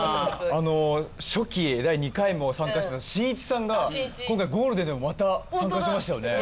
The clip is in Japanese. あの初期第２回も参加してたしんいちさんが今回ゴールデンでもまた参加してましたよね